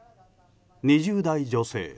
２０代女性。